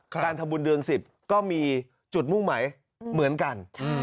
การทำบุญเดือน๑๐ก็มีจุดมุ่งหมายเหมือนกัน